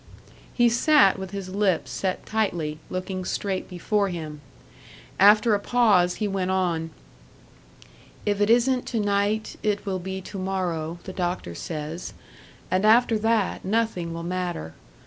He sat with his lips set tightly, looking straight before him. After a pause he went on: "If it isn't to night, it will be to morrow, the doctor says; and after that, nothing will matter.